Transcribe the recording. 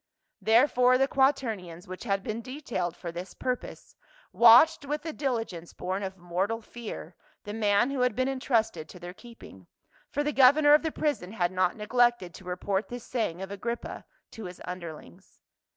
Therefore the quaternions, which had been detailed for this purpose, watched with the diligence born of mortal fear the man who had been entrusted to their keeping ; for the governor of the prison had not neglected to report this saying of Agrippa to his un derlings.